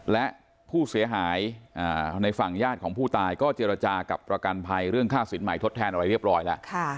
และผู้เสียหายในฝั่งญาติของผู้ตายก็เจรจากับประกันภัยเรื่องค่าสินใหม่ทดแทนอะไรเรียบร้อยแล้ว